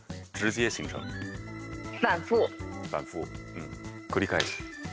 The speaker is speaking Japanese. うん繰り返す。